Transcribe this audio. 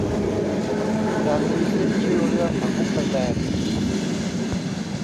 ร้านนี้ขึ้นชื่อเรื่องผักบุ้งไฟแดง